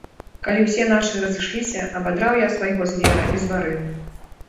Калі ўсе нашы разышліся, абадраў я свайго звера і зварыў.